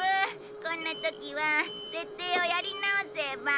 こんな時は設定をやり直せば。